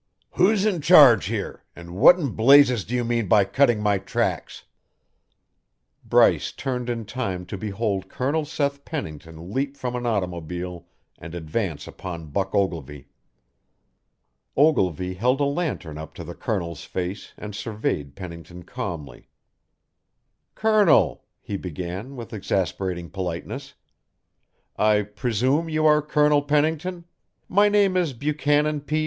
"Who's in charge here, and what in blazes do you mean by cutting my tracks?" Bryce turned in time to behold Colonel Seth Pennington leap from an automobile and advance upon Buck Ogilvy. Ogilvy held a lantern up to the Colonel's face and surveyed Pennington calmly. "Colonel," he began with exasperating politeness, " I presume you are Colonel Pennington my name is Buchanan P.